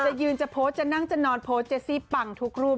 จะยืนจะโพสต์จะนั่งจะนอนโพสต์เจซี่ปังทุกรูป